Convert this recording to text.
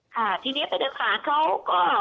ค่ะทีนี้ไปเดินขานเขาก็